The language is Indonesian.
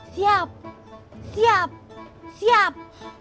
siap siap siap